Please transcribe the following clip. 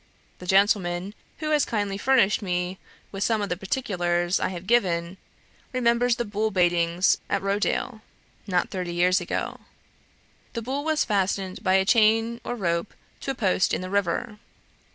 The gentleman, who has kindly furnished me with some of the particulars I have given, remembers the bull baitings at Rochdale, not thirty years ago. The bull was fastened by a chain or rope to a post in the river.